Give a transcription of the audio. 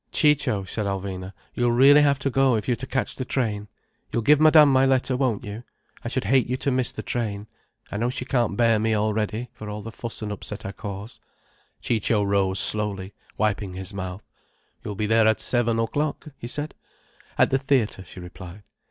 "Ciccio," said Alvina. "You'll really have to go if you are to catch the train. You'll give Madame my letter, won't you? I should hate you to miss the train. I know she can't bear me already, for all the fuss and upset I cause." Ciccio rose slowly, wiping his mouth. "You'll be there at seven o'clock?" he said. "At the theatre," she replied.